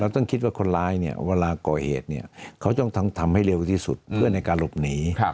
ต้องคิดว่าคนร้ายเนี่ยเวลาก่อเหตุเขาต้องทำให้เร็วที่สุดเพื่อในการหลบหนี